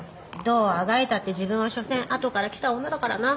どうあがいたって自分は所詮後から来た女だからな。